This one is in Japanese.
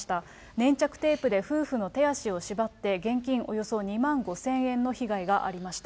粘着テープで夫婦の手足を縛って、現金およそ２万５０００円の被害がありました。